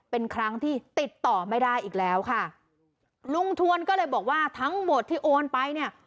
เป็นครั้งที่ติดต่อไม่ได้อีกแล้วค่ะลุงทวนก็เลยบอกว่าทั้งหมดที่โอนไปเนี่ย